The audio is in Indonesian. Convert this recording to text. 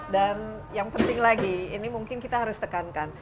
dan yang penting lagi ini mungkin kita harus tekankan